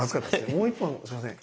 もう一本すいません！